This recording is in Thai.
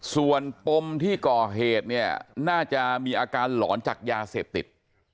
ส่วนปมที่ก่อเหตุเนี่ยน่าจะมีอาการหลอนจากยาเสพติด